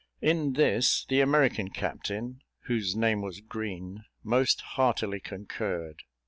In this, the American captain, whose name was Green, most heartily concurred.